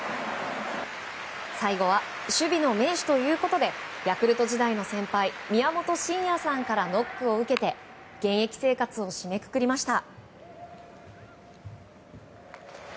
最後は守備の名手ということでヤクルト時代の先輩宮本慎也さんからノックを受けて現役生活を締めくくりました。